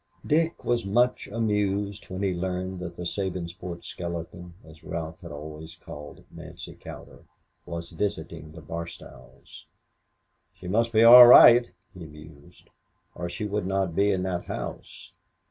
'" Dick was much amused when he learned that the Sabinsport skeleton, as Ralph had always called Nancy Cowder, was visiting the Barstows. "She must be all right," he mused, "or she would not be in that house."